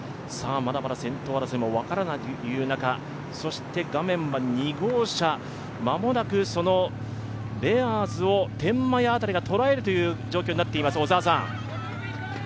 まだまだ先頭争いもわからないという中、画面は２号車、間もなくベアーズを天満屋辺りがとらえるという状況になっています。